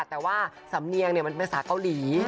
แต่ว่าสำเนียงมันเป็นภาษาเกาหลี